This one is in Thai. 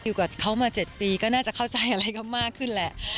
อยู่กับเขามา๗ปีก็น่าจะเข้าใจอะไรก็มากขึ้นแหละ